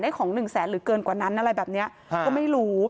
ของหนึ่งแสนหรือเกินกว่านั้นอะไรแบบนี้ก็ไม่รู้